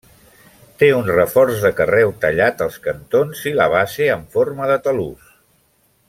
Té un reforç de carreu tallat als cantons i la base amb forma de talús.